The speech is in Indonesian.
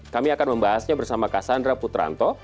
kami akan membahasnya bersama cassandra putranto